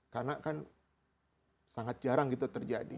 karena kan sangat jarang gitu terjadi